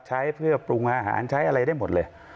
ใช้เพื่อปรุงอาหารใช้อะไรได้หมดเลย